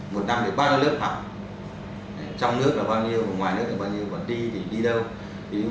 một năm thì bao nhiêu lớp học trong nước là bao nhiêu ngoài nước thì bao nhiêu còn đi thì đi đâu